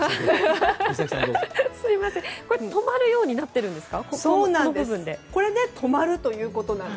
とまるようになっているんですか。